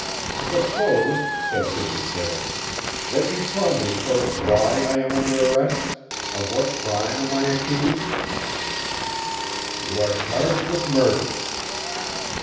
"Suppose," said Sidney Prale, "that you tell me, first, why I am under arrest? Of what crime am I accused?" "You are charged with murder."